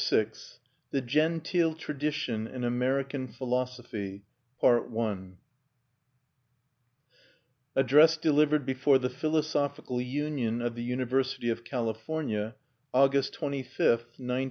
VI THE GENTEEL TRADITION IN AMERICAN PHILOSOPHY Address delivered before the Philosophical Union of the University of California, August 25, 1911.